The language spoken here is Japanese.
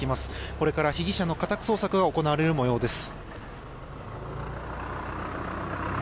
これから被疑者の家宅捜索が行われる模様です。